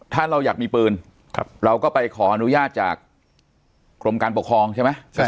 ถ้าเราอยากมีปืนเราก็ไปขออนุญาตจากกรมการปกครองใช่ไหม